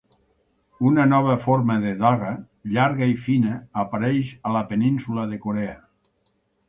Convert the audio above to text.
Una nova forma de daga, llarga i fina, apareix a la península de Corea.